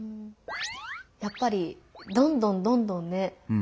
やっぱりどんどんどんどんね